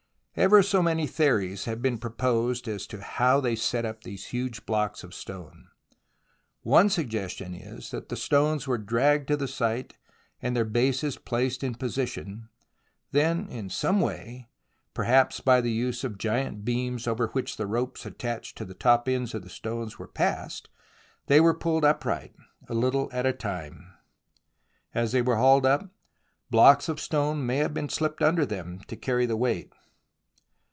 Ever so many theories have been propounded as to how they set up these huge blocks of stone. One suggestion is that the stones were dragged to the site and their bases placed in position ; then in some way, perhaps by the use of giant beams over which the ropes attached to the top ends of the stones were passed, they were pulled upright, a little at a time. As they were hauled up, blocks of stone may have been sHpped under them to carry the weight.